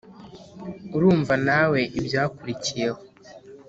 urumva nawe ibyakurikiyeho